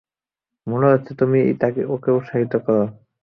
মনে হচ্ছে তুমিই ওকে উৎসাহিত করো?